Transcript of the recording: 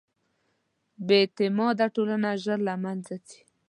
بېاعتماده ټولنه ژر له منځه ځي.